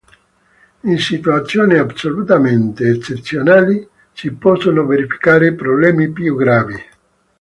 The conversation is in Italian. In situazioni assolutamente eccezionali si possono verificare problemi più gravi.